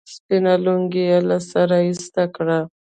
سپينه لونگۍ يې له سره ايسته کړه.